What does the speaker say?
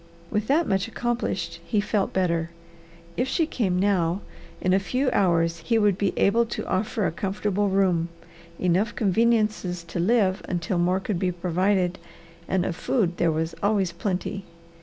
With that much accomplished he felt better. If she came now, in a few hours he would be able to offer a comfortable room, enough conveniences to live until more could be provided, and of food there was always plenty.